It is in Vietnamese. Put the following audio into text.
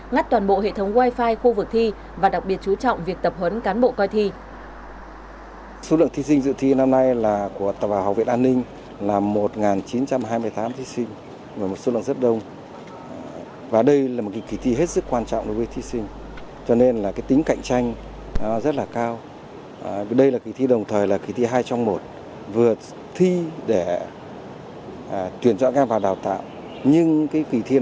ngắt toàn bộ hệ thống wifi khu vực thi và đặc biệt chú trọng việc tập hợp với các thí sinh